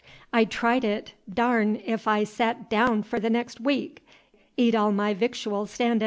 "I tried it, darned 'f I sot daown f'r th' nex' week, eat all my victuals stan'in'.